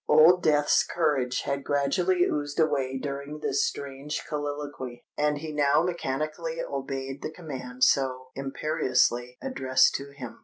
Old Death's courage had gradually oozed away during this strange colloquy; and he now mechanically obeyed the command so imperiously addressed to him.